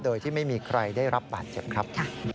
โดยที่ไม่มีใครได้รับบาดเจ็บครับ